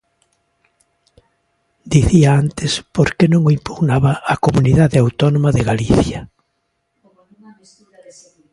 Dicía antes por que non o impugnaba a Comunidade Autónoma de Galicia.